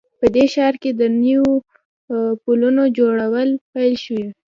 په دې ښار کې د نوو پلونو جوړول پیل شوي